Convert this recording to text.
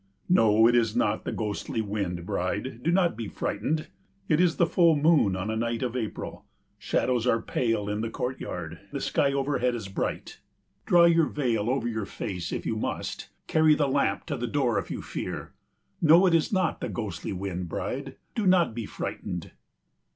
No, it is not the ghostly wind, bride, do not be frightened. It is the full moon on a night of April; shadows are pale in the courtyard; the sky overhead is bright. Draw your veil over your face if you must, carry the lamp to the door if you fear. No, it is not the ghostly wind, bride, do not be frightened.